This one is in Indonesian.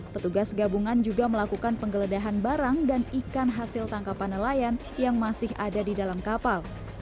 petugas gabungan juga melakukan penggeledahan barang dan ikan hasil tangkapan nelayan yang masih ada di dalam kapal